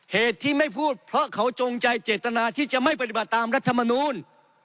เหตุที่ไม่พูดเพราะเขาจงใจเจตนาที่จะไม่ปฏิบัติตามรัฐมนูล